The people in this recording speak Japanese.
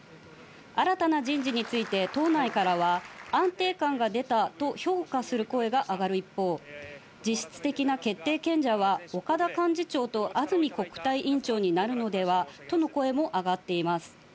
新たな人事について党内からは、安定感が出たと評価する声が上がる一方、実質的な決定権者は岡田幹事長と安住国対委員長になるのではとの声も上がっています。